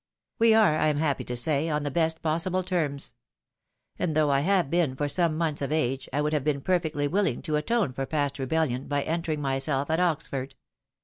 We are, I am happy to say, on the best possible terms ; and though I have been for some months of age, I would have been perfectly wiUing to atone for past rebellion, by entering myself at Oxford.